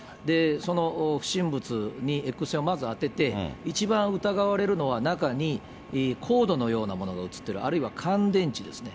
その不審物にエックス線をまず当てて、一番疑われるのは中にコードのようなものが写ってる、あるいは乾電池ですね。